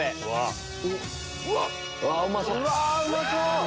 うわうまそう！